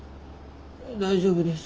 大丈夫です。